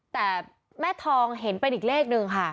แต่แม่ทองเห็นเป็นอีกเลขนึงค่ะ